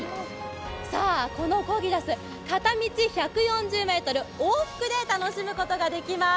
このコギダス、片道１４０ｍ、往復で楽しむことができます。